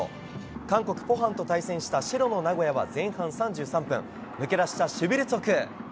韓国、浦項と対戦した白の名古屋は前半３３分抜け出したシュヴィルツォク。